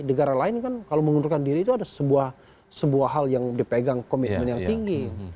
negara lain kan kalau mengundurkan diri itu ada sebuah hal yang dipegang komitmen yang tinggi